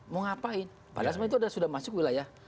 mau ngapain padahal sebenarnya itu sudah masuk wilayah